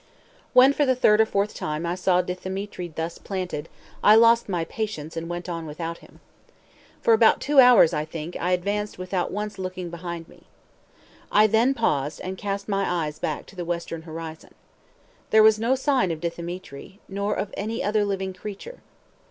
When for the third or fourth time I saw Dthemetri thus planted, I lost my patience, and went on without him. For about two hours, I think, I advanced without once looking behind me. I then paused, and cast my eyes back to the western horizon. There was no sign of Dthemetri, nor of any other living creature.